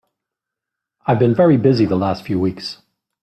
I've been very busy the last few weeks.